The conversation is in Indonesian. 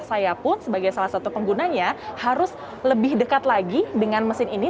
saya pun sebagai salah satu penggunanya harus lebih dekat lagi dengan mesin ini